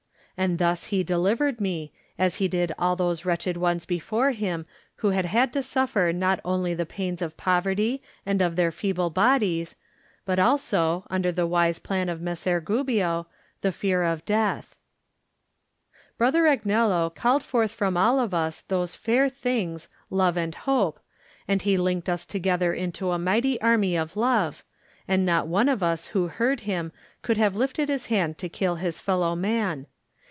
And thus he delivered me, as he did all those wretched ones before him who had had to suffer not only the pains of poverty and of their feeble bodies, but also, under the wise plan of Messer Gubbio, the fear of death. Brother Agnello called forth from all of us those fair things, love and hope, and he linked us together into a mighty army of love, and not one of us who heard him could have lifted his hand to kill his fellow man.